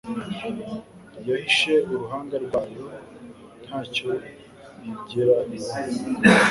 yahishe uruhanga rwayo nta cyo yigera ibona